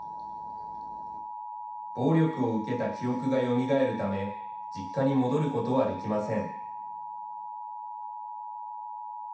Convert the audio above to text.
暴力を受けた記憶がよみがえるため、実家に戻ることはできません。